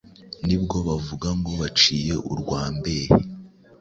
ni bwo bavuga ngo Baciye urwa Mbehe